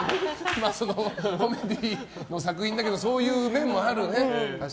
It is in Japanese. コメディーの作品だけどそういう面もあるよね。